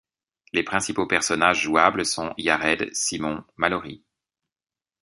Les principaux personnages jouables sont Jared, Simon, Mallory.